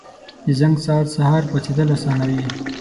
• د زنګ ساعت سهار پاڅېدل اسانوي.